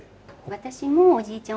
私もおじいちゃん